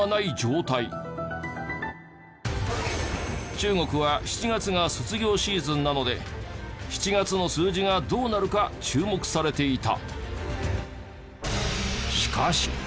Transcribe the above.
中国は７月が卒業シーズンなので７月の数字がどうなるか注目されていた。